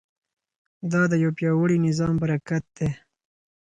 دا د یو پیاوړي نظام برکت دی.